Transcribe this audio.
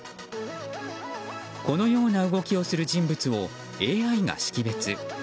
このような動きをする人物をＡＩが識別。